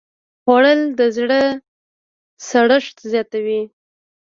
خوړل د زړه سړښت زیاتوي